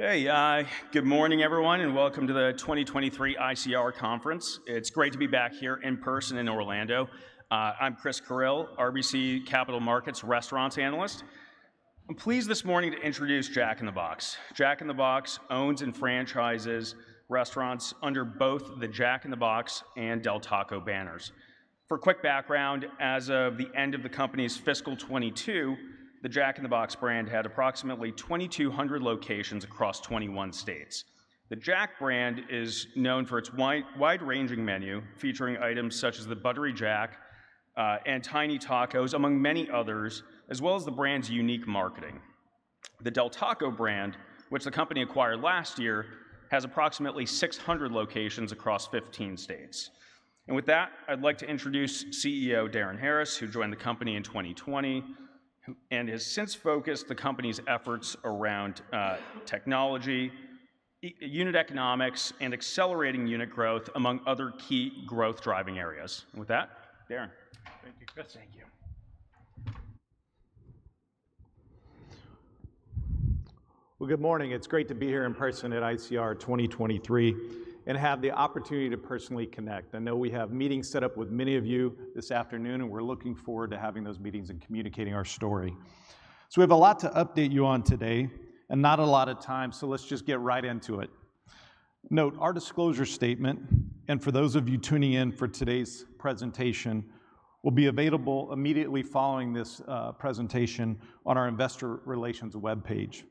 Okay. Good morning everyone, and welcome to the 2023 ICR conference. It's great to be back here in person in Orlando. I'm Christopher Carril, RBC Capital Markets restaurants analyst. I'm pleased this morning to introduce Jack in the Box. Jack in the Box owns and franchises restaurants under both the Jack in the Box and Del Taco banners. For a quick background, as of the end of the company's fiscal 2022, the Jack in the Box brand had approximately 2,200 locations across 21 states. The Jack brand is known for its wide-ranging menu featuring items such as the Buttery Jack and Tiny Tacos, among many others, as well as the brand's unique marketing. The Del Taco brand, which the company acquired last year, has approximately 600 locations across 15 states. With that, I'd like to introduce CEO, Darin Harris, who joined the company in 2020, and has since focused the company's efforts around technology, unit economics, and accelerating unit growth among other key growth driving areas. With that, Darin. Thank you, Chris. Thank you. Good morning. It's great to be here in person at ICR 2023 and have the opportunity to personally connect. I know we have meetings set up with many of you this afternoon, we're looking forward to having those meetings and communicating our story. We have a lot to update you on today and not a lot of time, let's just get right into it. Note, our disclosure statement, for those of you tuning in for today's presentation, will be available immediately following this presentation on our investor relations webpage.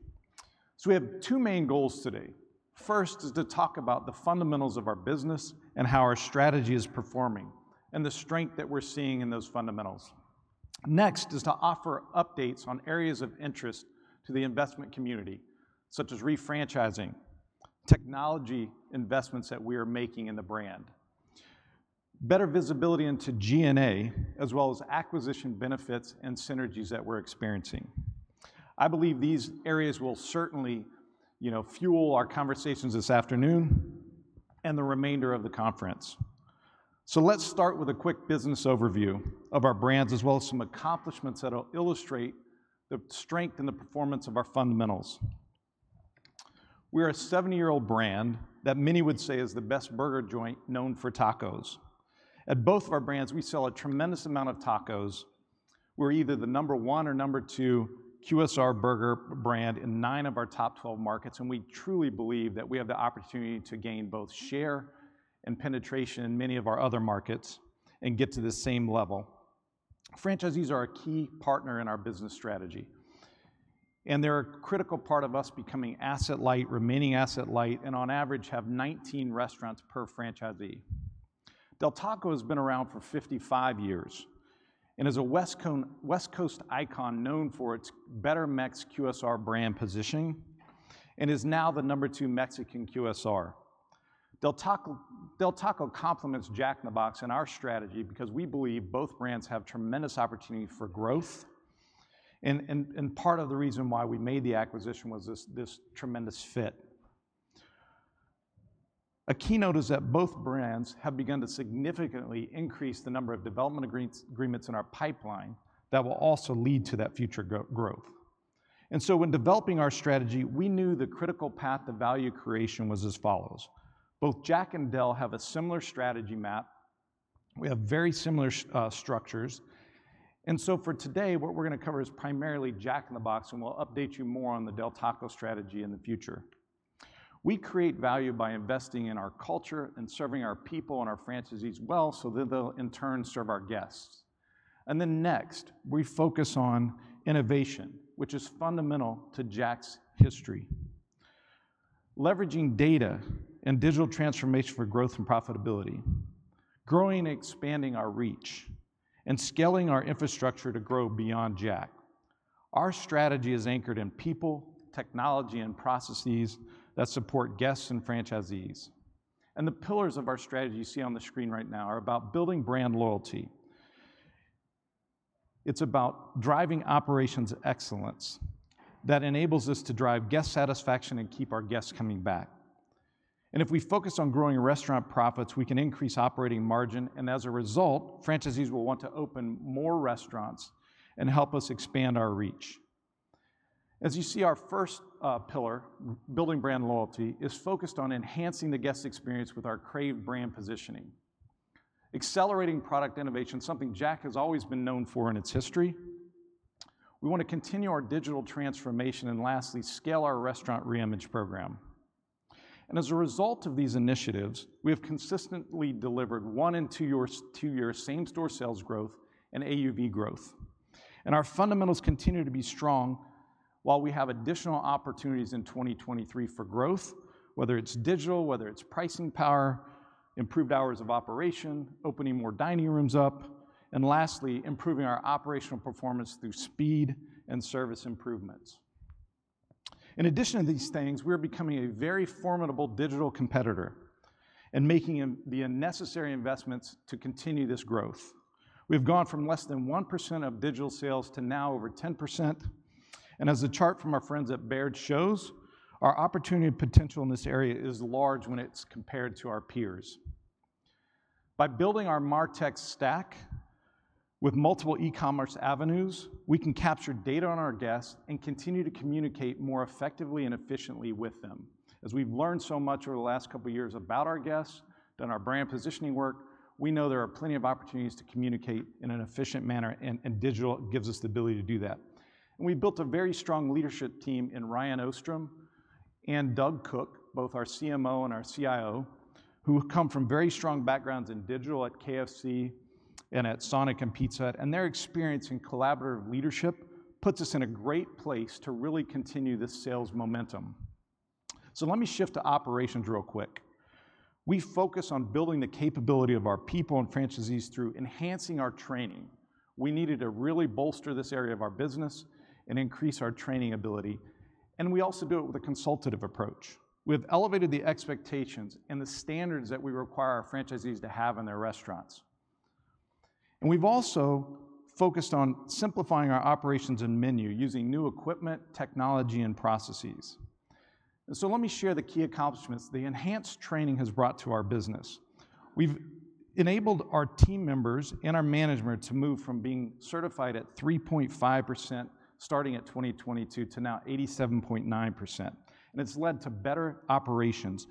We have two main goals today. First is to talk about the fundamentals of our business and how our strategy is performing, the strength that we're seeing in those fundamentals. Next is to offer updates on areas of interest to the investment community, such as refranchising, technology investments that we are making in the brand, better visibility into G&A, as well as acquisition benefits and synergies that we're experiencing. I believe these areas will certainly, you know, fuel our conversations this afternoon and the remainder of the conference. Let's start with a quick business overview of our brands, as well as some accomplishments that'll illustrate the strength and the performance of our fundamentals. We're a 70-year-old brand that many would say is the best burger joint known for tacos. At both of our brands, we sell a tremendous amount of tacos. We're either the number one or number two QSR burger brand in nine of our top 12 markets. We truly believe that we have the opportunity to gain both share and penetration in many of our other markets and get to the same level. Franchisees are a key partner in our business strategy, and they're a critical part of us becoming asset light, remaining asset light, and on average have 19 restaurants per franchisee. Del Taco has been around for 55 years and is a West Coast icon known for its better Mex QSR brand positioning and is now the number two Mexican QSR. Del Taco complements Jack in the Box in our strategy because we believe both brands have tremendous opportunity for growth and part of the reason why we made the acquisition was this tremendous fit. A keynote is that both brands have begun to significantly increase the number of development agreements in our pipeline that will also lead to that future growth. When developing our strategy, we knew the critical path to value creation was as follows: Both Jack and Del have a similar strategy map. We have very similar structures. For today, what we're gonna cover is primarily Jack in the Box, and we'll update you more on the Del Taco strategy in the future. We create value by investing in our culture and serving our people and our franchisees well, so that they'll in turn serve our guests. Next, we focus on innovation, which is fundamental to Jack's history. Leveraging data and digital transformation for growth and profitability, growing and expanding our reach, and scaling our infrastructure to grow beyond Jack. Our strategy is anchored in people, technology, and processes that support guests and franchisees. The pillars of our strategy you see on the screen right now are about building brand loyalty. It's about driving operations excellence that enables us to drive guest satisfaction and keep our guests coming back. If we focus on growing restaurant profits, we can increase operating margin, and as a result, franchisees will want to open more restaurants and help us expand our reach. As you see, our first pillar, building brand loyalty, is focused on enhancing the guest experience with our crave brand positioning. Accelerating product innovation, something Jack has always been known for in its history. We wanna continue our digital transformation, and lastly, scale our restaurant reimage program. As a result of these initiatives, we have consistently delivered one and two-year same-store sales growth and AUV growth. Our fundamentals continue to be strong while we have additional opportunities in 2023 for growth, whether it's digital, whether it's pricing power, improved hours of operation, opening more dining rooms up, and lastly, improving our operational performance through speed and service improvements. In addition to these things, we are becoming a very formidable digital competitor and making the necessary investments to continue this growth. We've gone from less than 1% of digital sales to now over 10%. As the chart from our friends at Baird shows, our opportunity potential in this area is large when it's compared to our peers. By building our MarTech stack with multiple e-commerce avenues, we can capture data on our guests and continue to communicate more effectively and efficiently with them. As we've learned so much over the last couple years about our guests, done our brand positioning work, we know there are plenty of opportunities to communicate in an efficient manner. Digital gives us the ability to do that. We built a very strong leadership team in Ryan Ostrom and Doug Cook, both our CMO and our CIO, who come from very strong backgrounds in digital at KFC and at Sonic and Pizza Hut. Their experience in collaborative leadership puts us in a great place to really continue this sales momentum. Let me shift to operations real quick. We focus on building the capability of our people and franchisees through enhancing our training. We needed to really bolster this area of our business and increase our training ability. We also do it with a consultative approach. We've elevated the expectations and the standards that we require our franchisees to have in their restaurants. We've also focused on simplifying our operations and menu using new equipment, technology, and processes. Let me share the key accomplishments the enhanced training has brought to our business. We've enabled our team members and our management to move from being certified at 3.5% starting at 2022 to now 87.9%, and it's led to better operations.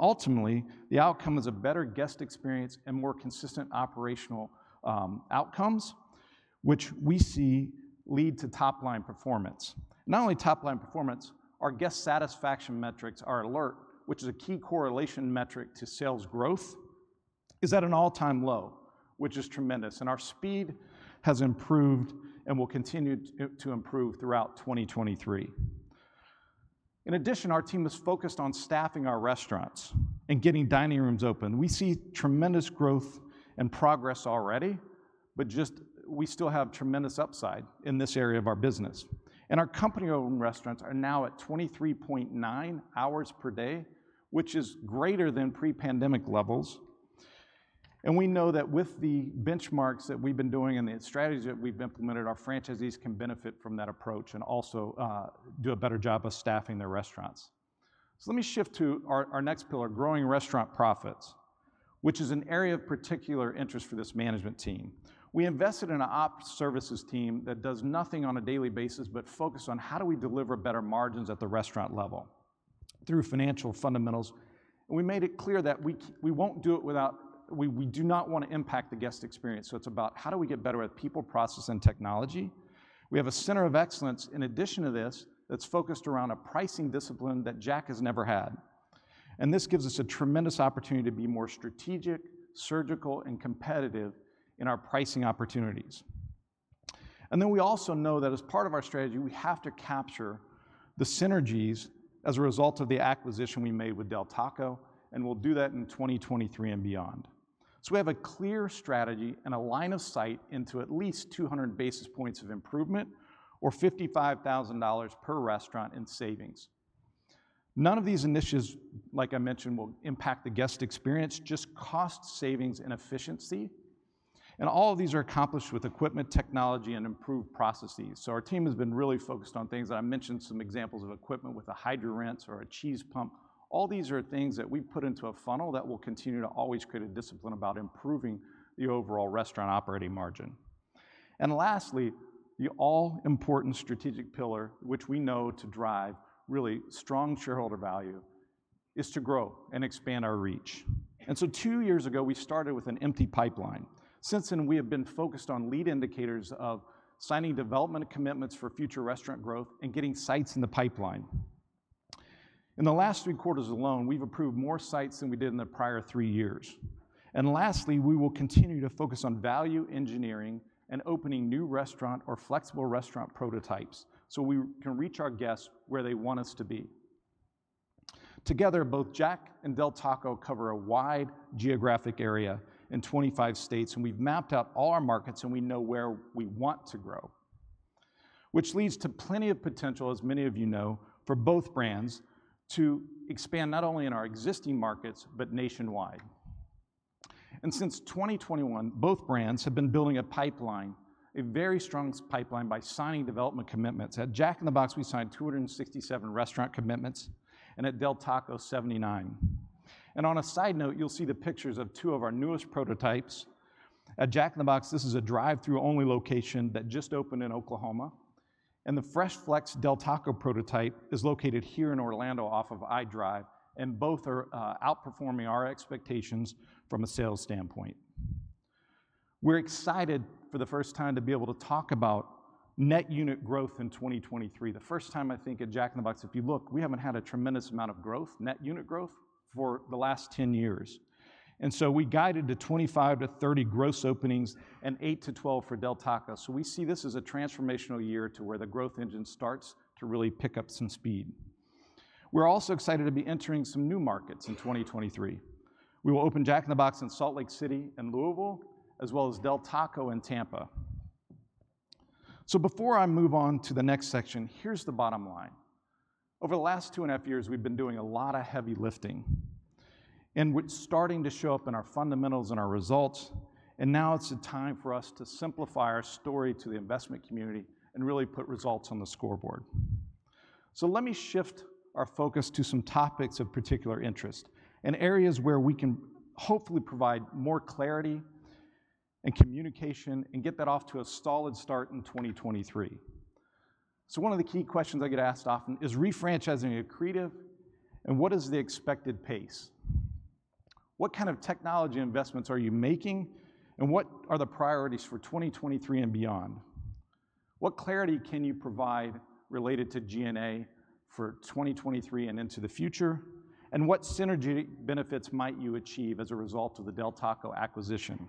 Ultimately, the outcome is a better guest experience and more consistent operational outcomes, which we see lead to top-line performance. Not only top-line performance, our guest satisfaction metrics are alert, which is a key correlation metric to sales growth, is at an all-time low, which is tremendous. Our speed has improved and will continue to improve throughout 2023. In addition, our team is focused on staffing our restaurants and getting dining rooms open. We see tremendous growth and progress already, but just we still have tremendous upside in this area of our business. Our company-owned restaurants are now at 23.9 hours per day, which is greater than pre-pandemic levels. We know that with the benchmarks that we've been doing and the strategies that we've implemented, our franchisees can benefit from that approach and also do a better job of staffing their restaurants. Let me shift to our next pillar, growing restaurant profits, which is an area of particular interest for this management team. We invested in a op services team that does nothing on a daily basis but focus on how do we deliver better margins at the restaurant level through financial fundamentals. We made it clear that we won't do it without we do not wanna impact the guest experience. It's about how do we get better at people, process, and technology. We have a center of excellence in addition to this that's focused around a pricing discipline that Jack has never had. This gives us a tremendous opportunity to be more strategic, surgical, and competitive in our pricing opportunities. We also know that as part of our strategy, we have to capture the synergies as a result of the acquisition we made with Del Taco, and we'll do that in 2023 and beyond. We have a clear strategy and a line of sight into at least 200 basis points of improvement or $55,000 per restaurant in savings. None of these initiatives, like I mentioned, will impact the guest experience, just cost savings and efficiency. All of these are accomplished with equipment, technology, and improved processes. Our team has been really focused on things. I mentioned some examples of equipment with a HydroRinse or a cheese pump. All these are things that we put into a funnel that will continue to always create a discipline about improving the overall restaurant operating margin. Lastly, the all-important strategic pillar, which we know to drive really strong shareholder value, is to grow and expand our reach. Two years ago, we started with an empty pipeline. Since then, we have been focused on lead indicators of signing development commitments for future restaurant growth and getting sites in the pipeline. In the last three quarters alone, we've approved more sites than we did in the prior three years. Lastly, we will continue to focus on value engineering and opening new restaurant or flexible restaurant prototypes, so we can reach our guests where they want us to be. Together, both Jack and Del Taco cover a wide geographic area in 25 states, and we've mapped out all our markets, and we know where we want to grow, which leads to plenty of potential, as many of you know, for both brands to expand not only in our existing markets, but nationwide. Since 2021, both brands have been building a pipeline, a very strong pipeline by signing development commitments. At Jack in the Box, we signed 267 restaurant commitments, and at Del Taco, 79. On a side note, you'll see the pictures of two of our newest prototypes. At Jack in the Box, this is a drive-through only location that just opened in Oklahoma. The Fresh Flex Del Taco prototype is located here in Orlando off of IDrive, and both are outperforming our expectations from a sales standpoint. We're excited for the first time to be able to talk about net unit growth in 2023. The first time I think at Jack in the Box, if you look, we haven't had a tremendous amount of growth, net unit growth, for the last 10 years. We guided to 25-30 gross openings and 8-12 for Del Taco. We see this as a transformational year to where the growth engine starts to really pick up some speed. We're also excited to be entering some new markets in 2023. We will open Jack in the Box in Salt Lake City and Louisville, as well as Del Taco in Tampa. Before I move on to the next section, here's the bottom line. Over the last two and a half years, we've been doing a lot of heavy lifting, and it's starting to show up in our fundamentals and our results, and now it's the time for us to simplify our story to the investment community and really put results on the scoreboard. Let me shift our focus to some topics of particular interest and areas where we can hopefully provide more clarity and communication and get that off to a solid start in 2023. One of the key questions I get asked often, is refranchising accretive, and what is the expected pace? What kind of technology investments are you making, what are the priorities for 2023 and beyond? What clarity can you provide related to G&A for 2023 and into the future? What synergy benefits might you achieve as a result of the Del Taco acquisition?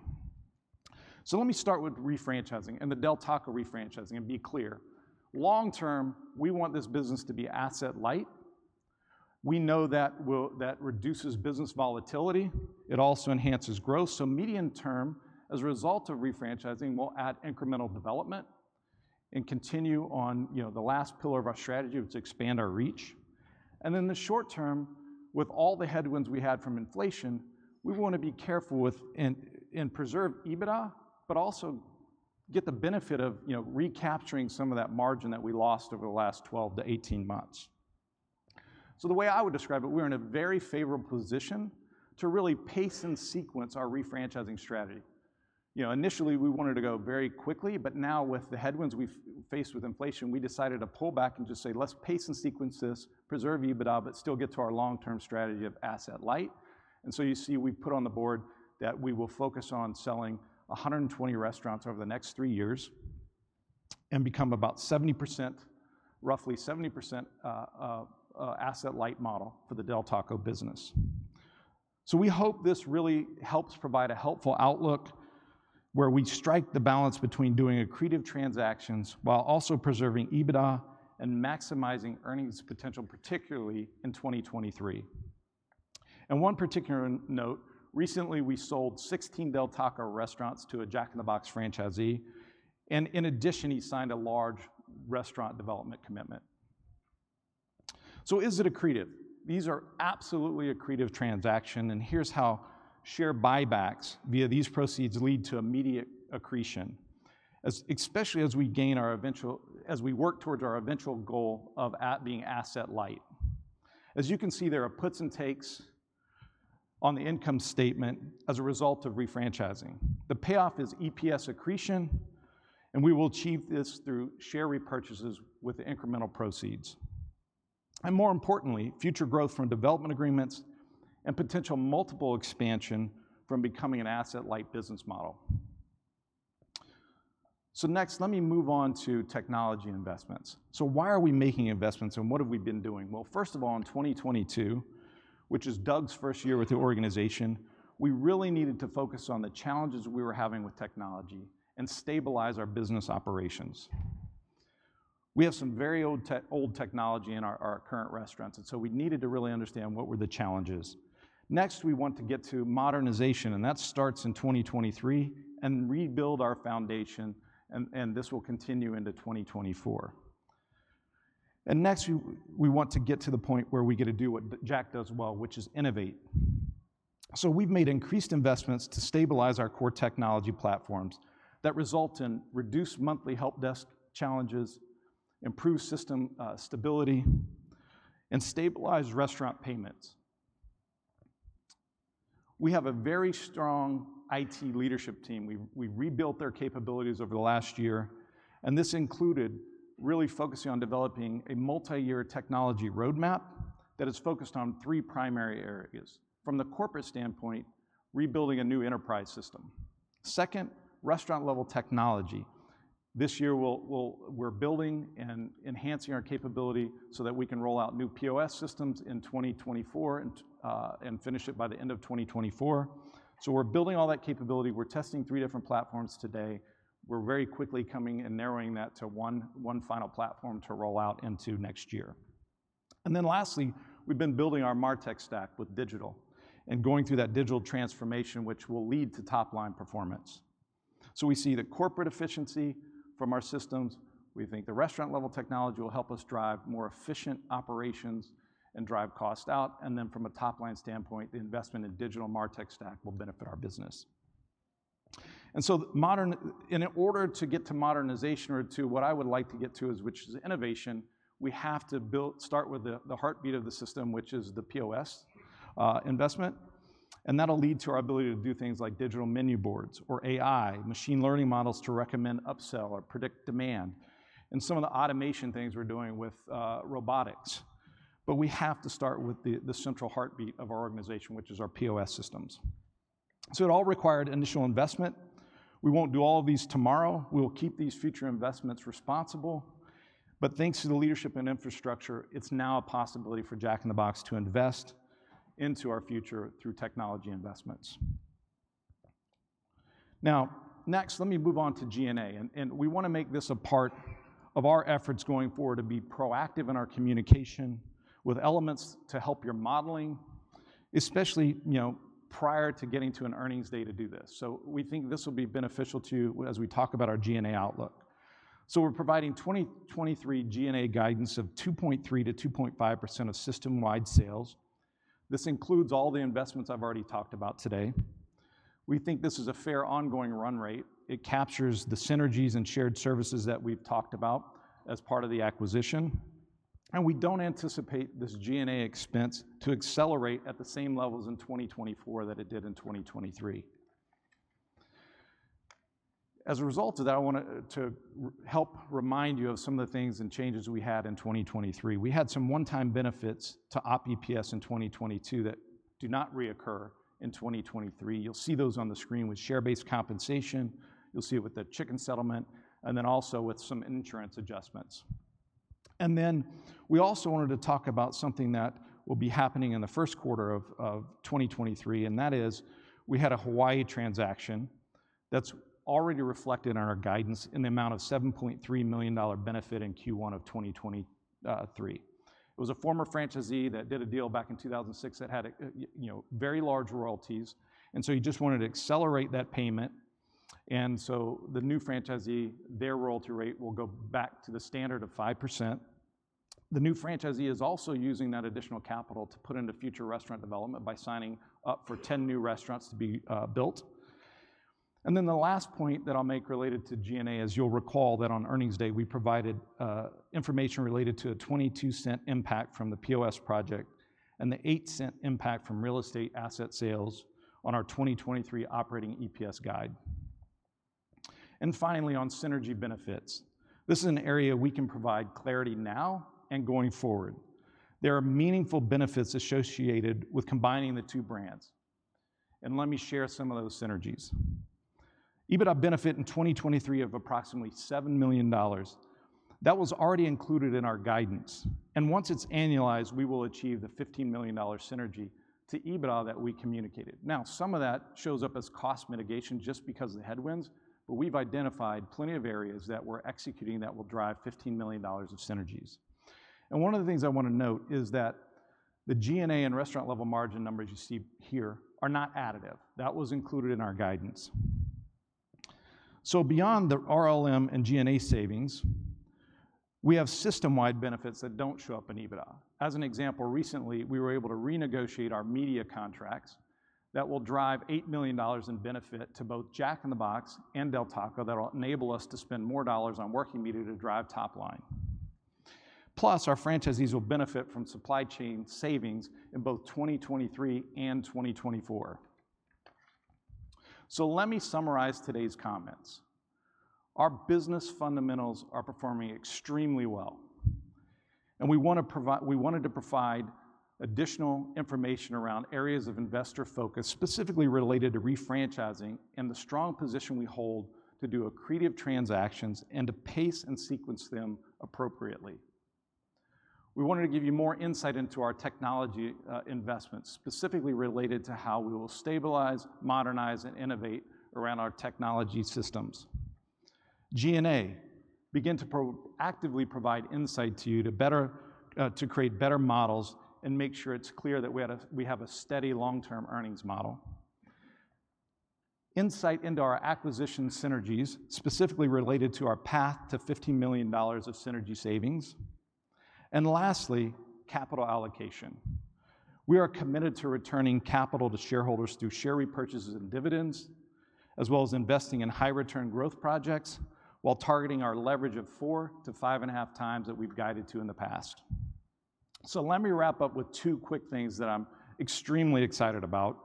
Let me start with refranchising and the Del Taco refranchising and be clear. Long term, we want this business to be asset light. We know that reduces business volatility. It also enhances growth. Medium term, as a result of refranchising, we'll add incremental development and continue on, you know, the last pillar of our strategy, which is expand our reach. The short term, with all the headwinds we had from inflation, we wanna be careful with and preserve EBITDA, but also get the benefit of, you know, recapturing some of that margin that we lost over the last 12 to 18 months. The way I would describe it, we're in a very favorable position to really pace and sequence our refranchising strategy. You know, initially, we wanted to go very quickly, now with the headwinds we've faced with inflation, we decided to pull back and just say, "Let's pace and sequence this, preserve EBITDA, but still get to our long-term strategy of asset light." You see we've put on the board that we will focus on selling 120 restaurants over the next three years and become about 70%, roughly 70%, asset light model for the Del Taco business. We hope this really helps provide a helpful outlook where we strike the balance between doing accretive transactions while also preserving EBITDA and maximizing earnings potential, particularly in 2023. One particular note, recently, we sold 16 Del Taco restaurants to a Jack in the Box franchisee, in addition, he signed a large restaurant development commitment. Is it accretive? These are absolutely accretive transaction. Here's how share buybacks via these proceeds lead to immediate accretion, especially as we work towards our eventual goal of being asset-light. As you can see, there are puts and takes on the income statement as a result of refranchising. The payoff is EPS accretion. We will achieve this through share repurchases with incremental proceeds. More importantly, future growth from development agreements and potential multiple expansion from becoming an asset-light business model. Next, let me move on to technology investments. Why are we making investments, and what have we been doing? Well, first of all, in 2022, which is Doug's first year with the organization, we really needed to focus on the challenges we were having with technology and stabilize our business operations. We have some very old technology in our current restaurants. We needed to really understand what were the challenges. Next, we want to get to modernization. That starts in 2023, and rebuild our foundation, and this will continue into 2024. Next, we want to get to the point where we get to do what Jack does well, which is innovate. We've made increased investments to stabilize our core technology platforms that result in reduced monthly help desk challenges, improved system stability, and stabilized restaurant payments. We have a very strong IT leadership team. We've rebuilt their capabilities over the last year. This included really focusing on developing a multi-year technology roadmap that is focused on three primary areas. From the corporate standpoint, rebuilding a new enterprise system. Second, restaurant-level technology. This year we're building and enhancing our capability so that we can roll out new POS systems in 2024 and finish it by the end of 2024. We're building all that capability. We're testing three different platforms today. We're very quickly coming and narrowing that to one final platform to roll out into next year. Lastly, we've been building our MarTech stack with digital and going through that digital transformation, which will lead to top-line performance. We see the corporate efficiency from our systems. We think the restaurant-level technology will help us drive more efficient operations and drive cost out. From a top-line standpoint, the investment in digital MarTech stack will benefit our business. In order to get to modernization or to what I would like to get to is, which is innovation, we have to build, start with the heartbeat of the system, which is the POS investment. That'll lead to our ability to do things like digital menu boards or AI, machine learning models to recommend upsell or predict demand, and some of the automation things we're doing with robotics. We have to start with the central heartbeat of our organization, which is our POS systems. It all required initial investment. We won't do all of these tomorrow. We will keep these future investments responsible. Thanks to the leadership and infrastructure, it's now a possibility for Jack in the Box to invest into our future through technology investments. Next, let me move on to G&A. We wanna make this a part of our efforts going forward to be proactive in our communication with elements to help your modeling, especially, you know, prior to getting to an earnings day to do this. We think this will be beneficial to you as we talk about our G&A outlook. We're providing 2023 G&A guidance of 2.3%-2.5% of system-wide sales. This includes all the investments I've already talked about today. We think this is a fair ongoing run rate. It captures the synergies and shared services that we've talked about as part of the acquisition, and we don't anticipate this G&A expense to accelerate at the same levels in 2024 that it did in 2023. As a result of that, I want to help remind you of some of the things and changes we had in 2023. We had some one-time benefits to operating EPS in 2022 that do not reoccur in 2023. You'll see those on the screen with share-based compensation, you'll see it with the chicken settlement, and then also with some insurance adjustments. We also wanted to talk about something that will be happening in the first quarter of 2023, and that is we had a Hawaii transaction that's already reflected in our guidance in the amount of a $7.3 million benefit in Q1 of 2023. It was a former franchisee that did a deal back in 2006 that had a, you know, very large royalties. He just wanted to accelerate that payment. The new franchisee, their royalty rate will go back to the standard of 5%. The new franchisee is also using that additional capital to put into future restaurant development by signing up for 10 new restaurants to be built. The last point that I'll make related to G&A, as you'll recall that on earnings day, we provided information related to a $0.22 impact from the POS project and the $0.08 impact from real estate asset sales on our 2023 operating EPS guide. Finally, on synergy benefits. This is an area we can provide clarity now and going forward. There are meaningful benefits associated with combining the two brands, and let me share some of those synergies. EBITDA benefit in 2023 of approximately $7 million. That was already included in our guidance. Once it's annualized, we will achieve the $15 million synergy to EBITDA that we communicated. Some of that shows up as cost mitigation just because of the headwinds, but we've identified plenty of areas that we're executing that will drive $15 million of synergies. One of the things I wanna note is that the G&A and restaurant level margin numbers you see here are not additive. That was included in our guidance. Beyond the RLM and G&A savings, we have system-wide benefits that don't show up in EBITDA. As an example, recently, we were able to renegotiate our media contracts that will drive $8 million in benefit to both Jack in the Box and Del Taco that'll enable us to spend more dollars on working media to drive top line. Our franchisees will benefit from supply chain savings in both 2023 and 2024. Let me summarize today's comments. Our business fundamentals are performing extremely well, and we wanted to provide additional information around areas of investor focus, specifically related to refranchising and the strong position we hold to do accretive transactions and to pace and sequence them appropriately. We wanted to give you more insight into our technology investments, specifically related to how we will stabilize, modernize, and innovate around our technology systems. G&A. Begin to proactively provide insight to you to better to create better models and make sure it's clear that we have a steady long-term earnings model. Insight into our acquisition synergies, specifically related to our path to $15 million of synergy savings. Lastly, capital allocation. We are committed to returning capital to shareholders through share repurchases and dividends, as well as investing in high return growth projects while targeting our leverage of 4-5.5x that we've guided to in the past. Let me wrap up with two quick things that I'm extremely excited about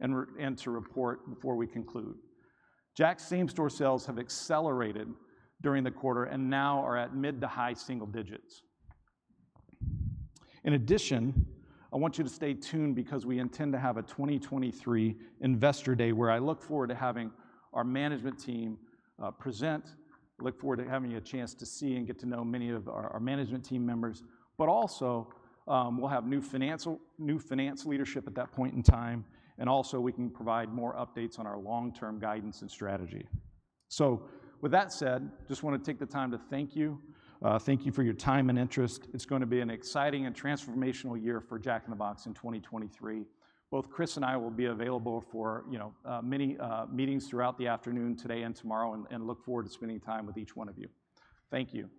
and to report before we conclude. Jack same store sales have accelerated during the quarter and now are at mid-to-high single digits. In addition, I want you to stay tuned because we intend to have a 2023 investor day where I look forward to having our management team present. Look forward to having a chance to see and get to know many of our management team members. Also, we'll have new finance leadership at that point in time, and also we can provide more updates on our long-term guidance and strategy. With that said, just wanna take the time to thank you. Thank you for your time and interest. It's gonna be an exciting and transformational year for Jack in the Box in 2023. Both Chris and I will be available for, you know, many meetings throughout the afternoon today and tomorrow and look forward to spending time with each one of you. Thank you.